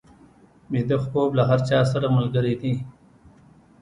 ویده خوب له هر چا سره ملګری دی